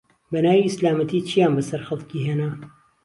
بەناوی ئیسلامەتی چیان بەسەر خەڵکی هێنا